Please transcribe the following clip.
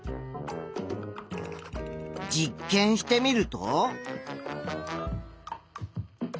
実験してみると。